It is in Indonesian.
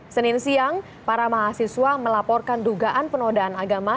senin siang para mahasiswa melaporkan dugaan penodaan agama